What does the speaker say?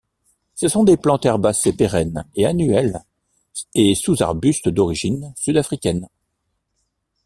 Ce sont des plantes herbacées pérennes et annuelles, et sous-arbustes d'origine sud-africaine.